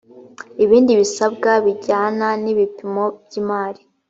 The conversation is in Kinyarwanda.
ibindi bisabwa bijyana n ibipimo by imari